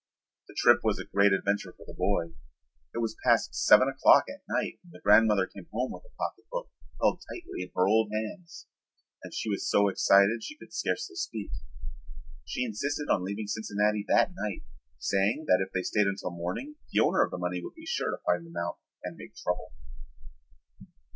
The trip was a great adventure for the boy. It was past seven o'clock at night when the grandmother came home with the pocket book held tightly in her old hands and she was so excited she could scarcely speak. She insisted on leaving Cincinnati that night, saying that if they stayed until morning the owner of the money would be sure to find them out and make trouble.